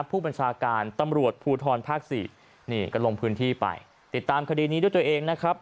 ผู้บัญชาการตำรวจภูทรภาคสี่นี่ก็ลงพื้นที่ไปติดตามคดีนี้ด้วยตัวเองนะครับ